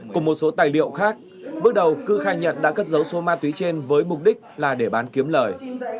cùng một số tài liệu khác bước đầu cư khai nhận đã cất giấu số ma túy trên với mục đích là để bán kiếm lời